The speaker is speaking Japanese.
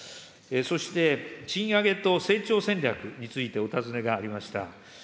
そして、賃上げと成長戦略についてお尋ねがありました。